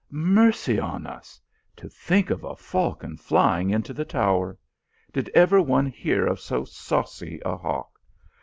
" Mercy on us ! To think of a falcon flying into the tower. Did ever one hear of so saucy a hawk